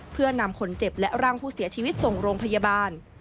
เพื่อนำคนเจ็บและร่างผู้เสียชีวิตส่งโรงพยาบาล